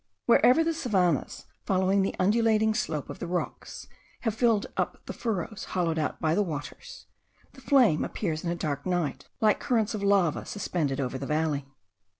Wherever the savannahs, following the undulating slope of the rocks, have filled up the furrows hollowed out by the waters, the flame appears in a dark night like currents of lava suspended over the valley.